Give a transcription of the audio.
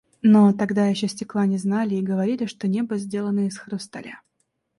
Но тогда еще стекла не знали и говорили, что небо сделано из хрусталя.